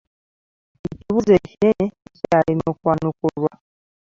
Ekibuuzo ekinene kikyalemye okwanukulwa.